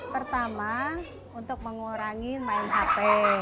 pertama untuk mengurangi main hp